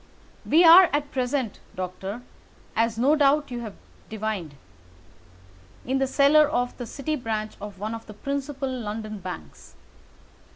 We are at present, Doctor—as no doubt you have divined—in the cellar of the City branch of one of the principal London banks.